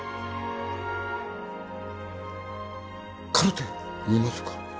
カルテ見ますか？